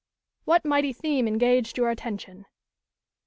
"What mighty theme engaged your attention?"